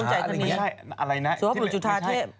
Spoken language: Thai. ไม่ใช่อะไรนะ